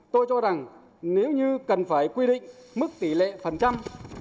tôi cho rằng nếu như cần phải quy định mức tỷ lệ phần trăm